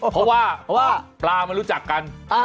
เพราะว่าปลามันรู้จักกัน